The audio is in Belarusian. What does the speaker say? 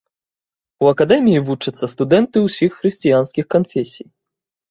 У акадэміі вучацца студэнты ўсіх хрысціянскіх канфесій.